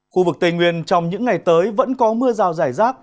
khu vực tây nguyên trong những ngày tới vẫn có mưa rào rải rác